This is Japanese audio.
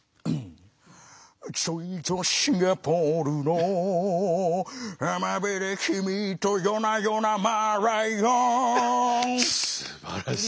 ちょいとシンガポールの浜辺で君と夜な夜なマーライオンすばらしい。